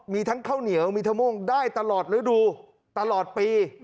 มีทั้งข้าวเหนียวมีทะม่วงได้ตลอดฤดูตลอดปี